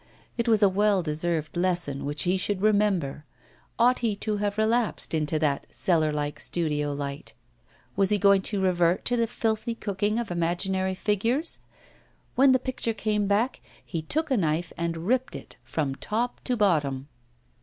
It was a well deserved lesson, which he should remember: ought he to have relapsed into that cellar like studio light? Was he going to revert to the filthy cooking of imaginary figures? When the picture came back, he took a knife and ripped it from top to bottom.